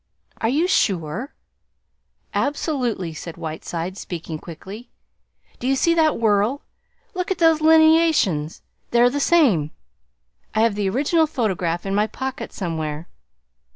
"Are you sure?" "Absolutely," said Whiteside, speaking quickly. "Do you see that whorl? Look at those lineations! They're the same. I have the original photograph in my pocket somewhere."